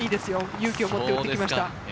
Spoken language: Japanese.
勇気を持って打ってきました。